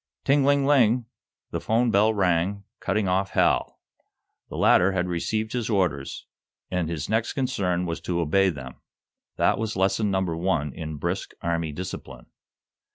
Ting ling ling! The 'phone bell rang, cutting off Hal. The latter had received his orders, and his next concern was to obey them. That was lesson number one in brisk Army discipline.